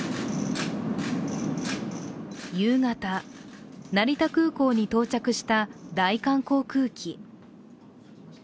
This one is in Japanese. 夕方、成田空港に到着した大韓航空機。